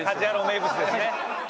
名物ですね。